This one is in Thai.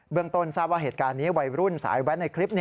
ต้นทราบว่าเหตุการณ์นี้วัยรุ่นสายแว้นในคลิป